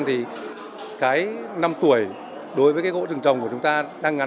thì cái năm tuổi đối với cái gỗ rừng trồng của chúng ta đang ngắn